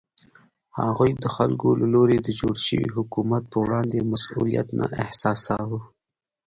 هغوی د خلکو له لوري د جوړ شوي حکومت په وړاندې مسوولیت نه احساساوه.